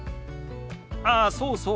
ああそうそう。